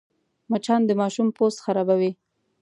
مچان د ماشوم پوست خرابوي